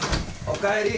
おかえり。